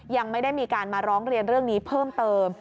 ยังไม่ได้มีการมาร้องเรียนเรื่องนี้เพิ่มเติม